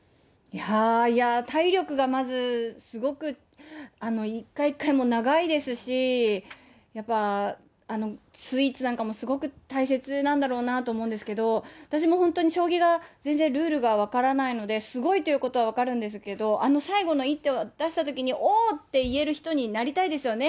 いやー、体力がまず、すごく一回一回長いですし、やっぱりスイーツなんかもすごく大切なんだろうなと思うんですけれども、私も本当に将棋が全然、ルールが分からないので、すごいということは分かるんですけど、あの最後の一手を出したときに、おーって言える人になりたいですよね。